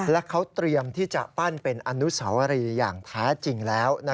และเขาเตรียมที่จะปั้นเป็นอนุสาวรีอย่างแท้จริงแล้ว